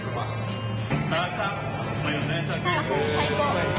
最高。